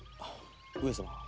上様